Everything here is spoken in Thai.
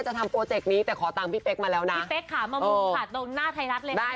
มามุมตรงหน้าไทยรัฐเลย